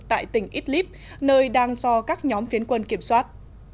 tại tỉnh idlib nơi đang do các nhóm phiến quân kiểm soát